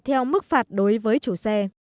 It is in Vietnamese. theo mức phạt đối với chủ xe